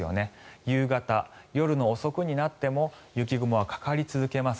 夕方、夜の遅くになっても雪雲はかかり続けます。